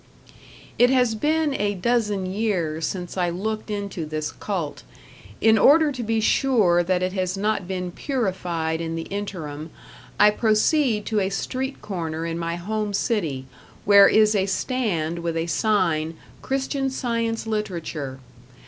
It has been a dozen years since I looked into this cult; in order to be sure that it has not been purified in the interim, I proceed to a street corner in my home city, where is a stand with a sign: "Christian Science Literature."